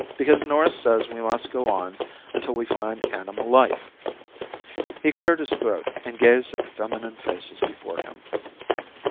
Why? Because Norris says we must go on until we find animal life." He cleared his throat and gazed at the feminine faces before him.